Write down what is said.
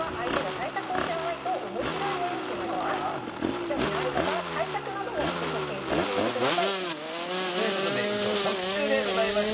興味のある方は対策なども是非研究してみてください。ということで以上特集でございました。